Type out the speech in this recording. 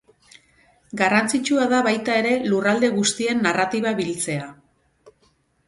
Garrantzitsua da baita ere lurralde guztien narratiba biltzea.